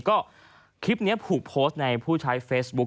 ก็คลิปนี้ถูกโพสต์ในผู้ใช้เฟซบุ๊ค